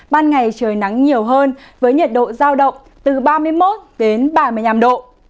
ban ngày trời nắng nhiều hơn với nhiệt độ giao động từ ba mươi một đến ba mươi năm độ